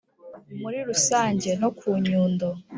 muri rusange no ku Nyundo